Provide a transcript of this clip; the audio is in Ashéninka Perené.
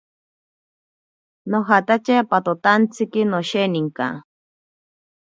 Nojatache apatotaantsi nosheninka.